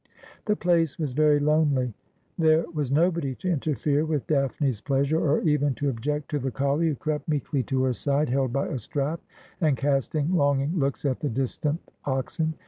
The place was very lonely. There was nobody to interfere with Daphne's pleasure, or even to object to the collie, who crept meekly to her side, held by a strap, and casting longing looks at the distant oxen.